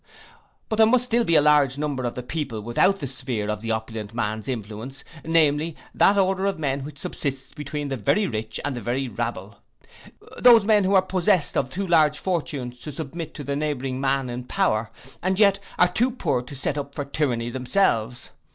But there must still be a large number of the people without the sphere of the opulent man's influence, namely, that order of men which subsists between the very rich and the very rabble; those men who are possest of too large fortunes to submit to the neighbouring man in power, and yet are too poor to set up for tyranny themselves.